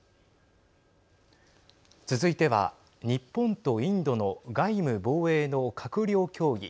続いては日本とインドの外務・防衛の閣僚協議。